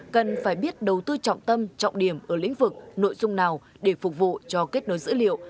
cần phải biết đầu tư trọng tâm trọng điểm ở lĩnh vực nội dung nào để phục vụ cho kết nối dữ liệu